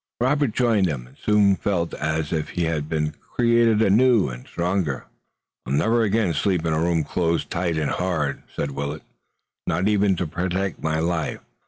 Robert joined them, and soon felt as if he had been created anew and stronger. "I'll never again sleep in a room closed tight and hard," said Willet, "not even to protect my life.